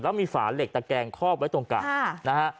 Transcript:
แล้วมีฝาเหล็กตะแกงคอบไว้ตรงกลางนะฮะ